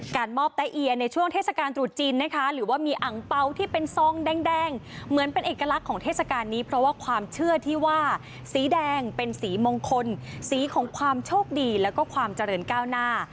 มอบแตะเอียในช่วงเทศกาลตรุษจีนนะคะหรือว่ามีอังเปล่าที่เป็นซองแดงเหมือนเป็นเอกลักษณ์ของเทศกาลนี้เพราะว่าความเชื่อที่ว่าสีแดงเป็นสีมงคลสีของความโชคดีแล้วก็ความเจริญก้าวหน้า